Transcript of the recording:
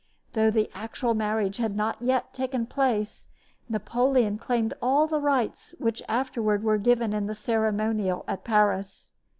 Though the actual marriage had not yet taken place, Napoleon claimed all the rights which afterward were given in the ceremonial at Paris.